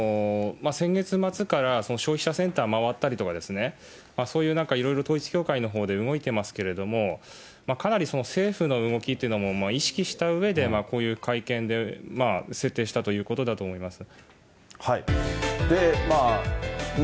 先月末から、消費者センター回ったりとか、そういうなんかいろいろ、統一教会のほうで動いてますけれども、かなりその政府の動きというのも意識したうえで、こういう会見で設定したということだと思います。